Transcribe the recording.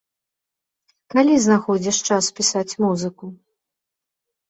Калі знаходзіш час пісаць музыку?